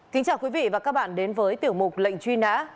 kính chào quý vị và các bạn đến với tiểu mục lệnh truy nã